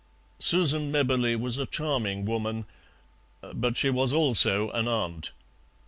Susan Mebberley was a charming woman, but she was also an aunt.